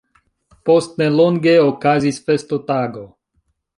Post nelonge okazis festotago.